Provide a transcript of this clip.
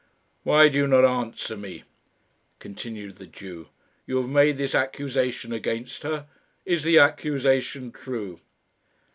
"Why do you not answer me?" continued the Jew. "You have made this accusation against her. Is the accusation true?"